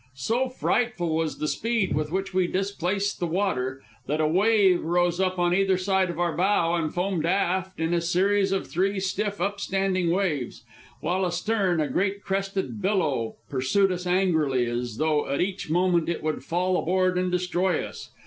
So frightful was the speed with which we displaced the water, that a wave rose up on either side our bow and foamed aft in a series of three stiff, up standing waves, while astern a great crested billow pursued us hungrily, as though at each moment it would fall aboard and destroy us.